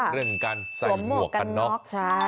เรื่องการใส่หมวกกันน็อก